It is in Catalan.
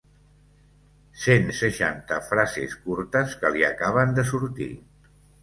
Cent seixanta frases curtes que li acaben de sortir.